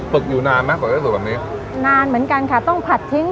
กอยู่นานไหมกว่าจะได้สูตรแบบนี้นานเหมือนกันค่ะต้องผัดทิ้ง